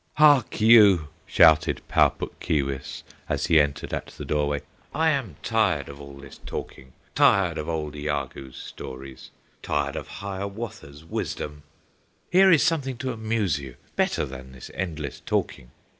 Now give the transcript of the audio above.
"Hark you!" shouted Pau Puk Keewis As he entered at the doorway; "I am tired of all this talking, Tired of old Iagoo's stories, Tired of Hiawatha's wisdom. Here is something to amuse you, Better than this endless talking."